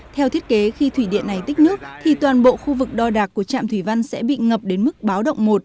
theo thiết kế khi thủy điện này tích nước thì toàn bộ khu vực đo đạc của trạm thủy văn sẽ bị ngập đến mức báo động một